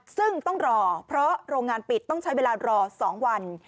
ซึ่งต้องรอเพราะโรงงานปิดต้องใช้เวลารอ๒วัน